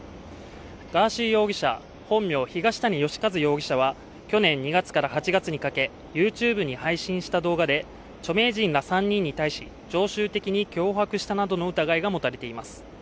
ガーシー容疑者、本名・東谷義和容疑者は去年２月から８月にかけＹｏｕＴｕｂｅに配信した動画で著名人ら３人に対し、常習的に脅迫したなどの疑いが持たれています。